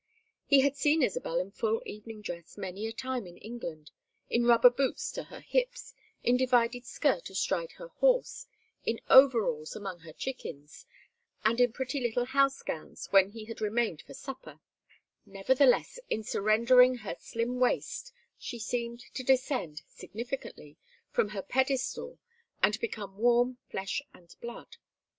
He had seen Isabel in full evening dress many a time in England, in rubber boots to her hips, in divided skirt astride her horse, in overalls among her chickens, and in pretty little house gowns when he had remained for supper; nevertheless, in surrendering her slim waist she seemed to descend, significantly, from her pedestal and become warm flesh and blood.